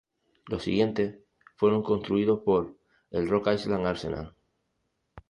Los siguientes fueron construidos por el Rock Island Arsenal.